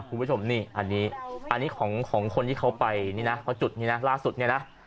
คุณผู้ชมนี่อันนี้ของคนที่เขาไปนี่นะเพราะจุดนี้นะล่าสุดเนี่ยนะ